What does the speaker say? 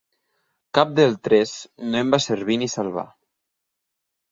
Cap del tres no em va servir ni salvar.